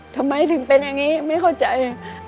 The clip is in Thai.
ทำไมถึงเป็นอย่างนี้ไม่เข้าใจ